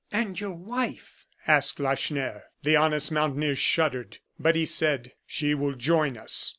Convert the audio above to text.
"And your wife?" asked Lacheneur. The honest mountaineer shuddered; but he said: "She will join us."